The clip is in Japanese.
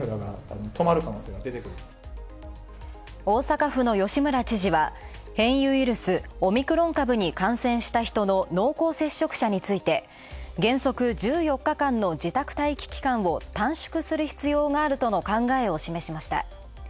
大阪府の吉村知事は、変異ウイルス、オミクロン株に感染した人の濃厚接触者について、原則１４日間の自宅待機期間を短縮する必要があるとの考えを示しました。